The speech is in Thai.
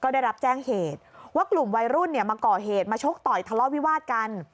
ว่ากลุ่มวัยรุ่นมาก่อเหตุมาโชคต่อยทะเลาะวิวาสกัน